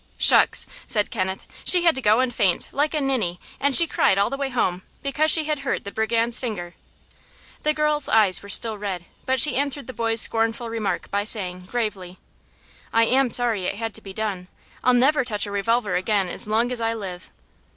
"Shucks!" said Kenneth. "She had to go and faint, like a ninny, and she cried all the way home, because she had hurt the brigand's finger." The girl's eyes were still red, but she answered the boy's scornful remark by saying, gravely: "I am sorry it had to be done. I'll never touch a revolver again as long as I live."